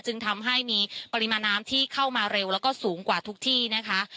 จึงทำให้มีปริมาณน้ำที่เข้ามาเร็วแล้วก็สูงกว่าทุกที่นะคะ